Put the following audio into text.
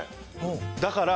だから。